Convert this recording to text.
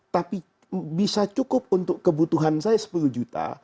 tapi bisa cukup untuk kebutuhan saya sepuluh juta